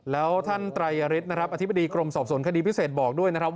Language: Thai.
แล้วท่านไตรฤทธิบดีกรมสอบสนคดีพิเศษบอกด้วยนะครับว่า